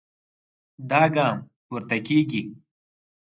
دا ګام پورته کېږي.